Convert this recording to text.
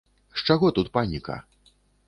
З чаго тут паніка?